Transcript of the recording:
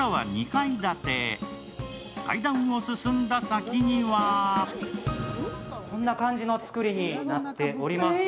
階段を進んだ先にはこんな感じの造りになっております。